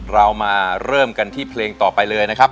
เรามาเริ่มกันที่เพลงต่อไปเลยนะครับ